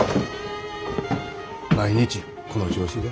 毎日この調子じゃ。